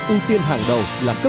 ưu tiên hàng đầu là tây nguyên